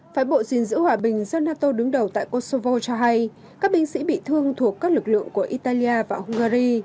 phái bộ gìn giữ hòa bình do nato đứng đầu tại kosovo cho hay các binh sĩ bị thương thuộc các lực lượng của italia và hungary